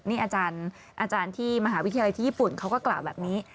นี่อาจารย์ที่มหาวิทยาลัยที่ญี่ปุ่นเขาก็กล่าวแบบนี้